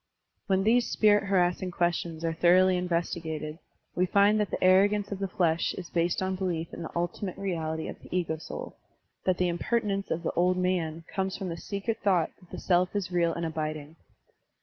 *' When these spirit harassing questions are thoroughly inves tigated, we find that the arrogance of the flesh is based on belief in the ultimate reality of the ego soul, that the impertinence of the "old man*' comes from the secret thought that the self is real and abiding.